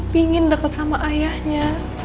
pingin deket sama ayahnya